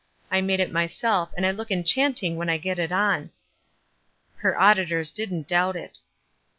I made it myself, and I look enchanting when I get it on." Her auditors didn't doubt it.